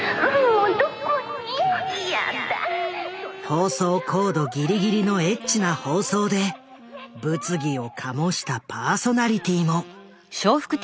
放送コードギリギリのエッチな放送で物議を醸したパーソナリティーも。